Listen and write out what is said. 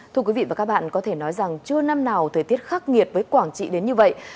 thưa quý vị và các bạn có thể nói rằng chưa năm nào thời tiết khắc nghiệt với quảng trị đến như vậy